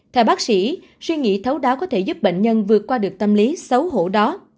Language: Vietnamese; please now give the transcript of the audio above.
theo bác sĩ suy nghĩ thấu đáo có thể giúp bệnh nhân vượt qua được tâm lý xấu hổ đó